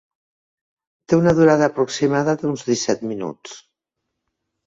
Té una durada aproximada d'uns disset minuts.